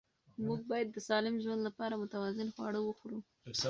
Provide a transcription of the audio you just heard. موږ باید د سالم ژوند لپاره متوازن خواړه وخورو